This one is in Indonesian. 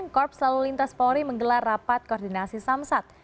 korps lalu lintas polri menggelar rapat koordinasi samsat